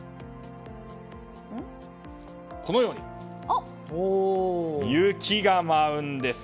このように雪が舞うんです！